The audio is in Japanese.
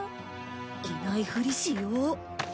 いないふりしよう。